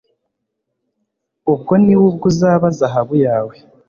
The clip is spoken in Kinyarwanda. ubwo ni we ubwe uzaba zahabu yawe